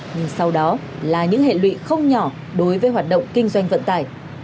nhưng sau đó là những hệ lụy không nhỏ đối với hoạt động kinh doanh vận tải